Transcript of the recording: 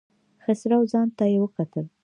خسرو خان ته يې وکتل.